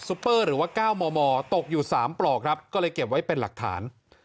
เปอร์หรือว่า๙มมตกอยู่๓ปลอกครับก็เลยเก็บไว้เป็นหลักฐาน